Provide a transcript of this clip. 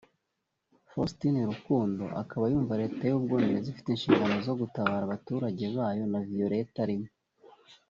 Faustin Rukundo akaba yumva Leta y’Ubwongereza ifite inshingano zo gutabara abaturage bayo na Violette arimo